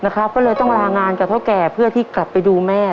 ก็เลยต้องลางานกับเท่าแก่เพื่อที่กลับไปดูแม่